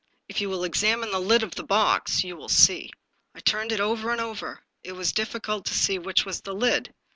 " If you will examine the lid of the box, you will see." I turned it over and over ; it was difEcult to see which was the lid.